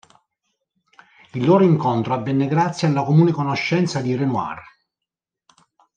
Il loro incontro avvenne grazie alla comune conoscenza di Renoir.